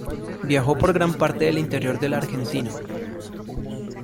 Viajó por gran parte del interior de la Argentina.